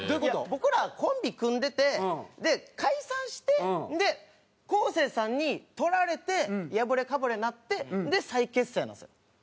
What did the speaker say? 僕らコンビ組んでて解散して昴生さんにとられてやぶれかぶれになってで再結成なんですよ。